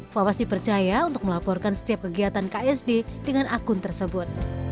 fawas dipercaya untuk melaporkan setiap kegiatan ksd dengan akun tersebut